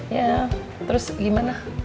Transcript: ya terus gimana